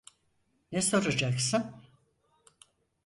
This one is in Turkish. Ne soracaksın?